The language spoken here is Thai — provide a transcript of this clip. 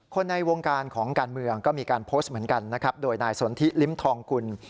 ในวงการของการเมืองก็มีการโพสต์เหมือนกันนะครับโดยนายสนทิลิ้มทองกุล